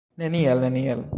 Neniel, neniel!